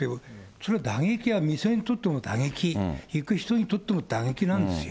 それは打撃は店にとっても打撃、行く人にとっても打撃なんですよ。